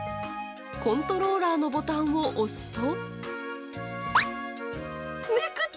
コントローラーのボタンを押すと。